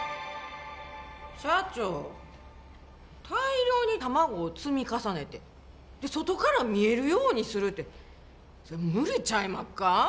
社長大量に卵を積み重ねてで外から見えるようにするてそれ無理ちゃいまっか？